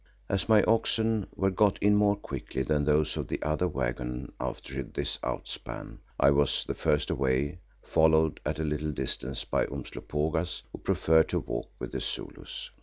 As my oxen were got in more quickly than those of the other waggon after this outspan, I was the first away, followed at a little distance by Umslopogaas, who preferred to walk with his Zulus.